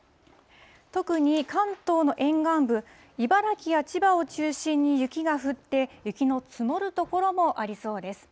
特に関東の沿岸部、茨城や千葉を中心に雪が降って、雪の積もる所もありそうです。